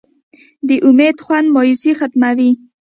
د امید خوند مایوسي ختموي.